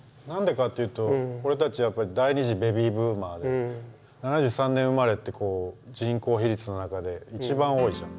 何でかっていうと俺たちやっぱり第２次ベビーブーマーで７３年生まれってこう人口比率の中で一番多いじゃん。